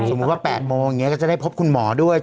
สมมุติว่า๘โมงเนี่ยก็จะได้พบคุณหมอด้วย